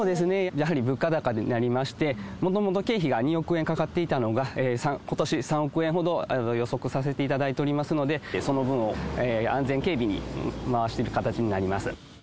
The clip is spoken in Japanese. やはり物価高になりまして、もともと経費が２億円かかっていたのが、ことし３億円ほど予測させていただいておりますので、その分を安全警備に回してる形になります。